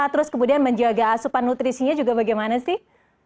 terus kemudian menjaga asupan nutrisinya juga bagaimana sih